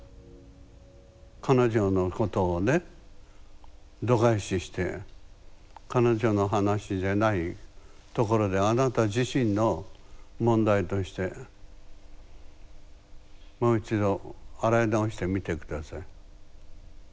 彼女のことをね度外視して彼女の話じゃないところであなたの自身の問題としてもう一度洗い直してみて下さい。